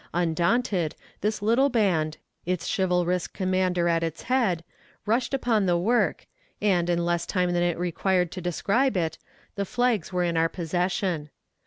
Undaunted, this little band, its chivalrous commander at its head, rushed upon the work, and, in less time than it required to describe it, the flags were in our possession.